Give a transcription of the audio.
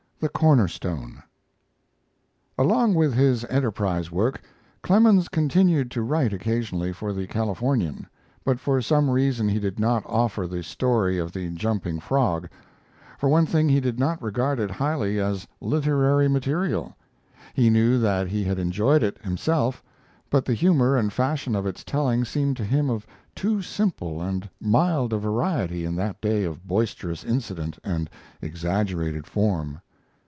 THE CORNER STONE Along with his Enterprise work, Clemens continued to write occasionally for the Californian, but for some reason he did not offer the story of the jumping frog. For one thing, he did not regard it highly as literary material. He knew that he had enjoyed it himself, but the humor and fashion of its telling seemed to him of too simple and mild a variety in that day of boisterous incident and exaggerated form.